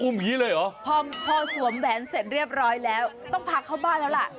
พอสวมแผนเสร็จเรียบร้อยแล้วต้องพักเข้าบ้านแล้วล่ะ